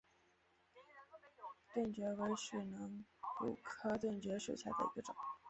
盾蕨为水龙骨科盾蕨属下的一个种。